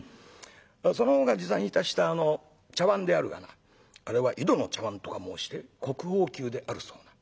そのほうが持参いたしたあの茶碗であるがなあれは井戸の茶碗とか申して国宝級であるそうな。